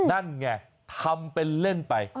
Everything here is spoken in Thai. นั่นไงทำเป็นเล่นไป